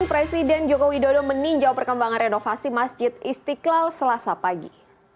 presiden joko widodo meninjau perkembangan renovasi masjid istiqlal selasa pagi